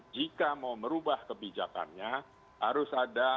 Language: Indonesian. jika mau merubah kebijakannya harus ada